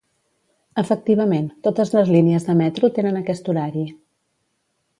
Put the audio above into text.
Efectivament, totes les línies de metro tenen aquest horari.